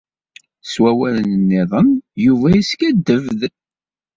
S wawalen-nniḍen, Yuba yeskaddeb-d.